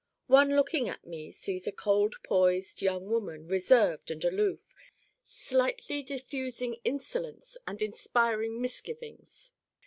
One looking at me sees a cold poised young woman, reserved and aloof, slightly diffusing insolence and inspiring misgivings.